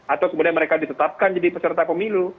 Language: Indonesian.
atau kemudian mereka ditetapkan jadi peserta pemilu